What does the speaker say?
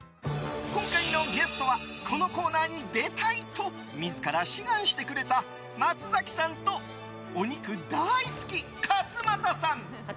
今回のゲストはこのコーナーに出たい！と自ら志願してくれた松崎さんと、お肉大好き勝俣さん。